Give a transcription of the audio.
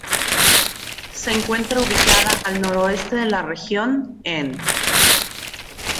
Se encuentra ubicada al noreste de la región, enn.